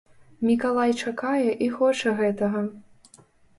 Мікалай чакае і хоча гэтага.